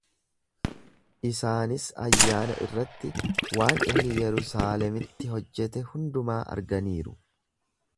Isaanis ayyaana irratti waan inni Yerusaalemitti hojjete hundumaa arganiiru.